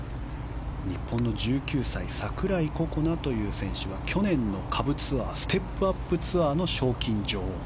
日本の１９歳櫻井心那という選手は去年の下部ツアーステップ・アップ・ツアーの賞金女王。